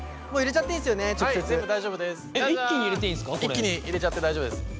一気に入れちゃって大丈夫です。